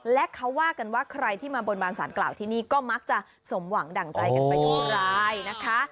และเขาว่ากันว่าใครที่มาบนบานสารกล่าวที่นี่ก็มักจะสมหวังดั่งใจกันไปทุกรายนะคะ